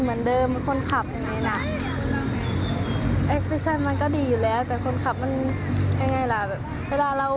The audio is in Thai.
เหมือนเดิมแบบรับบ้างไม่รับบ้างก็ไม่ค่อยอยากใช้เท่าไร